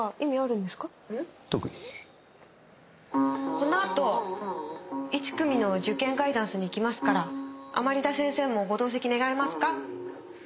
このあと１組の受験ガイダンスに行きますから甘利田先生もご同席願えますか？